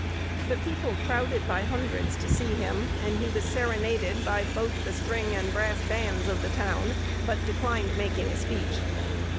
The people crowded by hundreds to see him; and he was serenaded by "both the string and brass bands of the town, but declined making a speech."